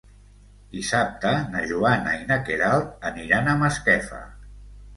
Dissabte na Joana i na Queralt aniran a Masquefa.